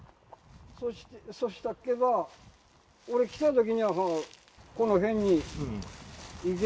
そうしたっけば、俺、来たときにはこの辺にいて。